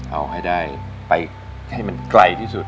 เอาให้ได้ไปให้มันไกลที่สุด